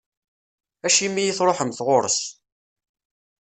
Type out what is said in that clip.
Acimi i truḥemt ɣur-s.